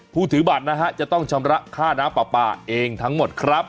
ถือบัตรนะฮะจะต้องชำระค่าน้ำปลาปลาเองทั้งหมดครับ